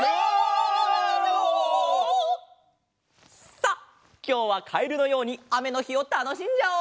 さあきょうはカエルのようにあめのひをたのしんじゃおう！